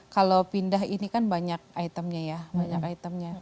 kalau pindah ini kan banyak itemnya ya